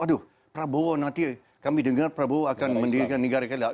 aduh prabowo nanti kami dengar prabowo akan mendirikan negara kita